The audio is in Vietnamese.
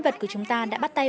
nghe chuyện nào rồi